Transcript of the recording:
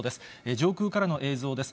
上空からの映像です。